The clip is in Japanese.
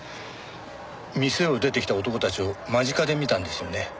店を出て来た男たちを間近で見たんですよね？